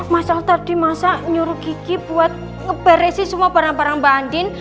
masa tadi masa nyuruh gigi buat ngeberesi semua barang barang mbak andin